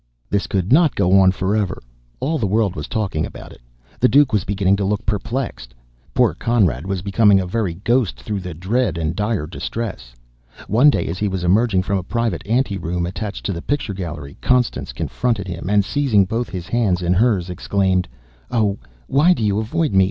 This could not go on forever. All the world was talking about it. The Duke was beginning to look perplexed. Poor Conrad was becoming a very ghost through dread and dire distress. One day as he was emerging from a private ante room attached to the picture gallery, Constance confronted him, and seizing both his hands, in hers, exclaimed: "Oh, why, do you avoid me?